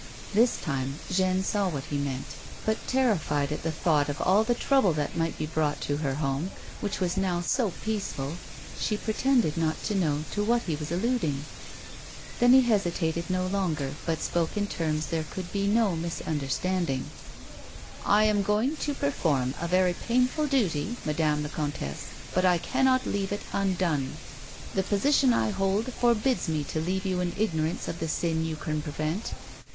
This time Jeanne saw what he meant, but, terrified at the thought of all the trouble tliat might be brought to her home, which was now so peaceful, she pretended not to know to what he was alluding. Then he hesitated no longer, but spoke in terms there could be no misunderstanding. 178 A WOMAN'S LIFE. " I am going to perform a very painful duty, ^Madame la comtesse, but I cannot leave it undone. The position I hold forbids me to leave you in ignorance of the siia you can prevent.